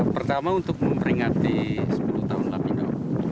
pertama untuk memperingati sepuluh tahun lapindo